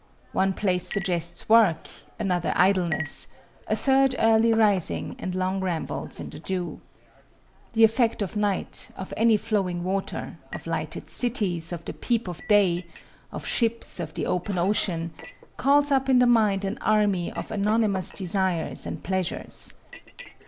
One place suggests work, another idleness, a third early rising and long rambles in the dew. The effect of night, of any flowing water, of lighted cities, of the peep of day, of ships, of the open ocean, calls up in the mind an army of anonymous desires and pleasures.